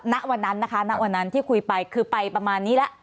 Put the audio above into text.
ณวันนั้นนะคะณวันนั้นที่คุยไปคือไปประมาณนี้แล้ว